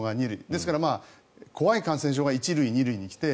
ですから怖い感染症が１類、２類に来て